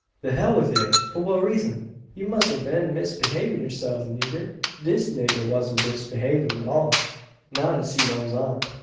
"The hell ye wur! For what reezun? Ye must hev been misbehavin' yurself, nigger?" "Dis nigga wan't mis b'avin' 't all; not as he knows on.